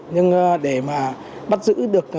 nhưng để mà bắt giữ được